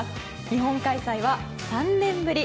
日本開催は３年ぶり。